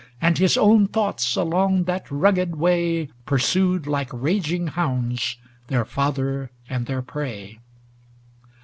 And his own thoughts, along that rugged way. Pursued, like raging hounds, their father and their prey.